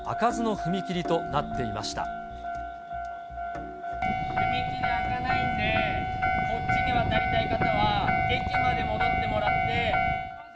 踏切開かないので、こっちに渡りたい方は駅まで戻ってもらって。